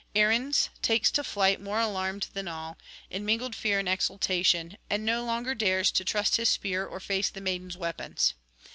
Arruns takes to flight more alarmed than all, in mingled fear and exultation, and no longer dares to trust his spear or face the maiden's weapons.